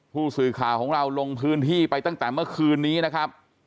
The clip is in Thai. ผู้สื่อข่าวของเราลงพื้นที่ไปตั้งแต่เมื่อคืนนี้นะครับ